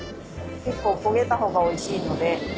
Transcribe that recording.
結構焦げた方がおいしいので。